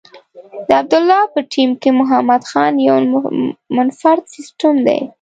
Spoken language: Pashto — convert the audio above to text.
د عبدالله په ټیم کې محمد خان یو منفرد سیسټم دی.